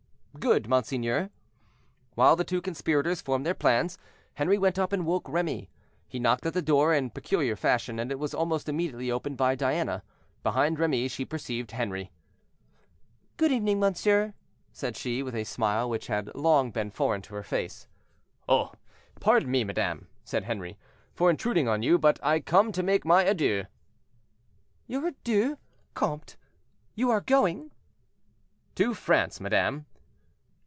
"Good, monseigneur." While the two conspirators formed their plans, Henri went up and woke Remy. He knocked at the door in a peculiar fashion, and it was almost immediately opened by Diana. Behind Remy she perceived Henri. "Good evening, monsieur," said she, with a smile which had long been foreign to her face. "Oh! pardon me, madame," said Henri, "for intruding on you; but I come to make my adieux." "Your adieux, comte; you are going?" "To France, madame."